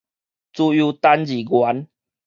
自由單字元